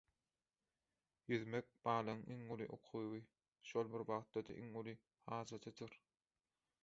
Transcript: Ýüzmek balygyň iň uly ukyby, şol bir wagtda-da iň uly hajatydyr.